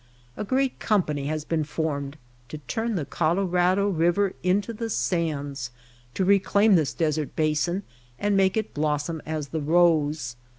A great company has been formed to turn the Colorado Eiver into the sands, to reclaim this desert basin, and make it blossom as the rose.